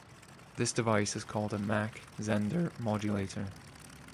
This device is called a Mach-Zehnder modulator.